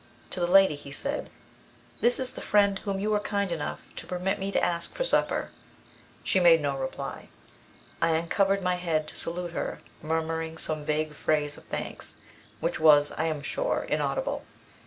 To the lady he said, "This is the friend whom you were kind enough to permit me to ask for supper." She made no reply. I uncovered my head to salute her, murmuring some vague phrase of thanks, which was, I am sure, inaudible.